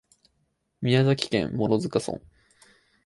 宮崎県諸塚村